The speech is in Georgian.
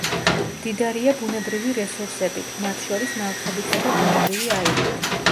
მდიდარია ბუნებრივი რესურსებით, მათ შორის ნავთობითა და ბუნებრივი აირით.